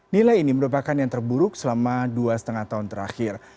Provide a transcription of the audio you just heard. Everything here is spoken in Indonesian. nilai ini merupakan yang terburuk selama dua lima tahun terakhir